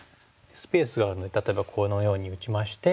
スペースがあるので例えばこのように打ちまして。